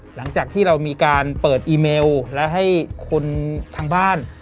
หลังจากที่เรามีการเปิดอีเมลและให้คนทางบ้าน